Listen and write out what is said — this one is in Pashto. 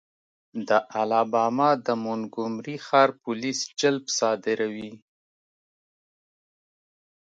د الاباما د مونګومري ښار پولیس جلب صادروي.